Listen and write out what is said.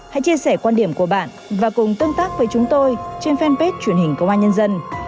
hãy chia sẻ quan điểm của bạn và cùng tương tác với chúng tôi trên fanpage truyền hình công an nhân dân